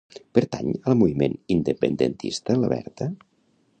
Pertany al moviment independentista la Berta?